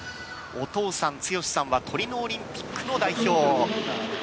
お父さん、剛さんはトリノオリンピックの代表。